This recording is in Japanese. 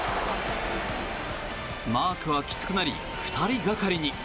マークはきつくなり２人がかりに。